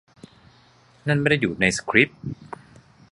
นั่นไม่ได้อยู่ในสคริปต์